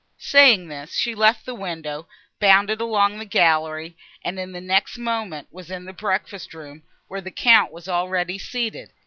Saying this, she left the window, bounded along the gallery, and, in the next moment, was in the breakfast room, where the Count was already seated.